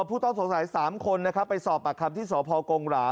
ผู้ต้องสงสัย๓คนไปสอบประคับที่สพกหล่า